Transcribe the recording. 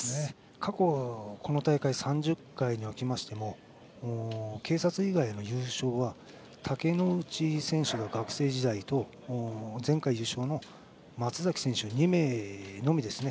過去この大会３０回に起きましても警察以外の優勝は竹ノ内選手が学生時代と前回優勝の松崎選手２名のみですね。